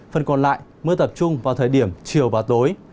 phần còn lại mưa tập trung vào thời điểm chiều và tối